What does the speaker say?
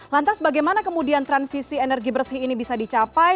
lantas bagaimana kemudian transisi energi bersih ini bisa dicapai